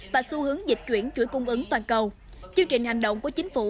và xu hướng dịch chuyển chuỗi cung ứng toàn cầu chương trình hành động của chính phủ